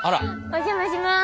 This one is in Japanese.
お邪魔します。